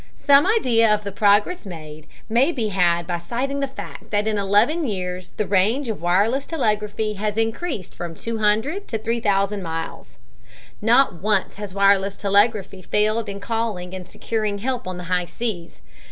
Some idea of the progress made may be had by citing the fact that in eleven years the range of wireless telegraphy has increased from 200 to 3000 miles. "Not once has wireless telegraphy failed in calling and securing help on the high seas.